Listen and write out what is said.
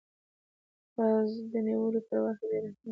باز د نیولو پر وخت بې رحمه وي